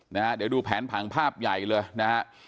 นะฮะเดี๋ยวดูแผนผังภาพใหญ่เลยนะฮะ